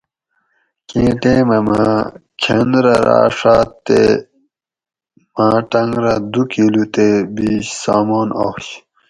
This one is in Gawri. کیں ٹیمہ مہ کھن رہ راڛاۤت تے ماں ٹنگ رہ دو کلو تے بیش سامان آش